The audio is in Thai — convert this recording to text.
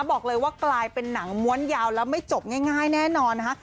บอกเลยว่ากลายเป็นหนังม้วนยาวแล้วไม่จบง่ายแน่นอนนะคะ